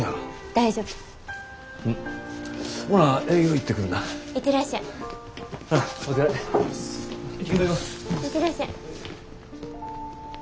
行ってらっしゃい。